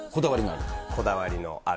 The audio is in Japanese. こだわりがある？